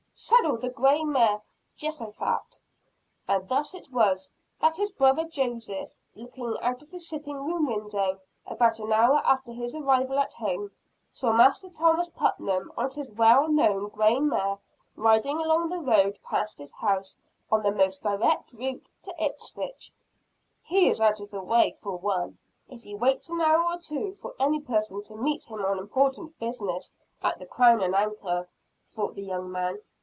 "Saddle the grey mare, Jehosaphat." And thus it was that his brother Joseph, looking out of his sitting room window, about an hour after his arrival at home, saw Master Thomas Putnam, on his well known grey mare, riding along the road past his house on the most direct route to Ipswich. "He is out of the way, for one if he waits an hour or two for any person to meet him on important business at the Crown and Anchor," thought the young man.